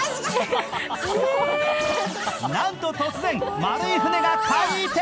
なんと突然、丸い船が回転！